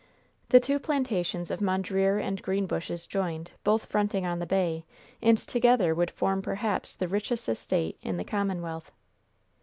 The two plantations of Mondreer and Greenbushes joined, both fronting on the bay, and together would form perhaps the richest estate in the commonwealth.